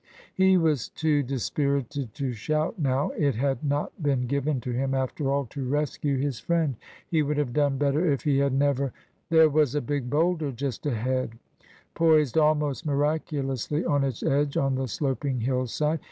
He was too dispirited to shout now. It had not been given to him after all to rescue his friend. He would have done better if he had never There was a big boulder just ahead, poised almost miraculously on its edge, on the sloping hill side.